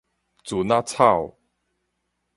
船仔草